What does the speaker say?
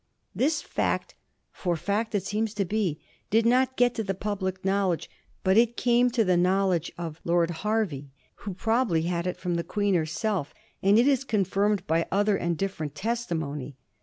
This fact — for a fact it seems to be — did not get to the public knowl edge; but it came to the knowledge of Lord Hervey, who probably had it from the Queen herself, and it is confirm ed by other and different testimony.